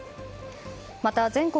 また全国